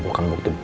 dia bijak kering